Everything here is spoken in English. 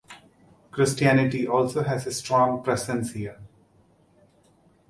Christianity also has a strong presence here.